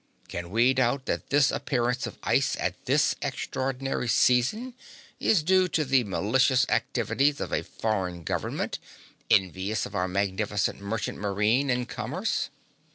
Can we doubt that this appearance of ice at this extraordinary season is due to the malicious activities of a foreign government, envious of our magnificent merchant marine and commerce?